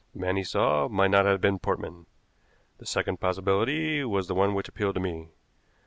The man he saw might not have been Portman. The second possibility was the one which appealed to me.